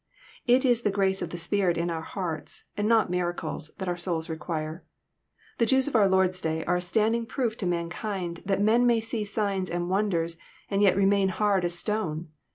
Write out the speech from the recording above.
It is the grace of the spirit in our hearts, and not miracles, that our souls require. The Jews of our Lord's day are a standing proof to mankind that men may see signs and wonders, and yet remain hard as stone.